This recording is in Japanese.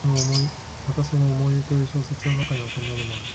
またその「思い出」という小説の中には、こんなのもある。